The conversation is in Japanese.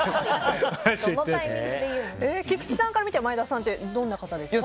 菊池さんから見て前田さんってどんな方ですか？